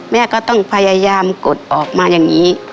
แม่ก็ต้องพยายามกดออกมาอย่างนี้